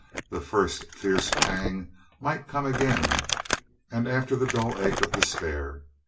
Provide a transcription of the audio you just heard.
... The first fierce pang might come again and after the dull ache of despair.